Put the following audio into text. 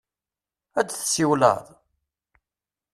Ad d-tsiwleḍ?